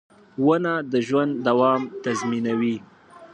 • ونه د ژوند دوام تضمینوي.